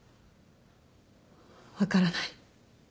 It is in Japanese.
分からない